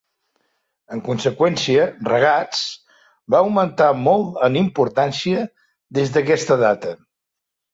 En conseqüència, Ragatz va augmentar molt en importància des d'aquesta data.